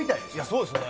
そうですね。